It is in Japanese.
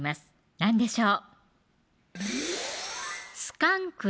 何でしょう